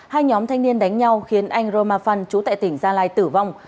hai nhóm thanh niên đánh nhau khiến anh roma phăn chú tại tỉnh gia lai tử vong